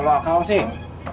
kalau akal sih